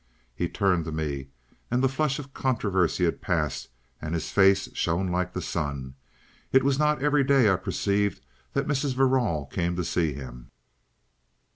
He turned to me, and the flush of controversy had passed and his face shone like the sun. It was not every day, I perceived, that Mrs. Verrall came to see him.